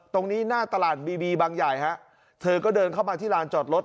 หน้าตลาดบีบีบางใหญ่ฮะเธอก็เดินเข้ามาที่ลานจอดรถ